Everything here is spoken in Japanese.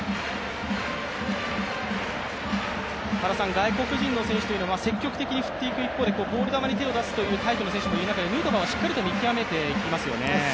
外国人の選手は積極的に振っていく一方でボール球に手を出すというタイプの選手もいる中でヌートバーはしっかりと見極めていきますよね。